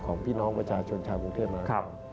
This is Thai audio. ของพี่น้องประชาชนชาวกรุงเทพมา